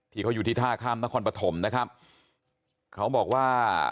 ที่เขาอยู่ที่ท่าข้ามนครปฐมนะครับเขาบอกว่า